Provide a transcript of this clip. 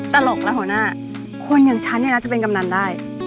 ตลกละหรอหน้าควรอย่างฉันนี่หรอจะเป็นกำนันได้